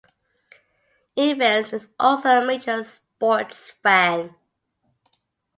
Ivens is also a major sports fan.